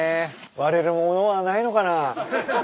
割れるものはないのかな？